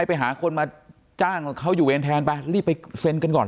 ไปหาคนมาจ้างเขาอยู่เวรแทนไปรีบไปเซ็นกันก่อน